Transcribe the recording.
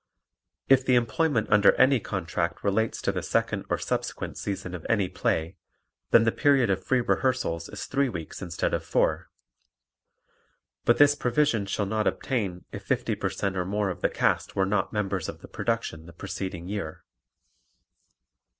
If the employment under any contract relates to the second or subsequent season of any play, then the period of free rehearsals is three weeks instead of four, but this provision shall not obtain if 50 per cent or more of the cast were not members of the production the preceding year.